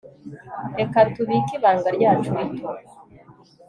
reka tubike ibanga ryacu rito